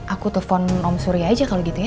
aku telpon om surya aja kalau gitu ya